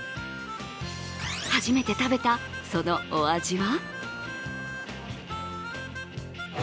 初めて食べたそのお味は？